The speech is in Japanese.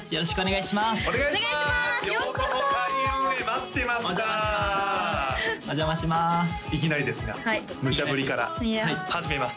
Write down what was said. いきなりですがむちゃぶりから始めます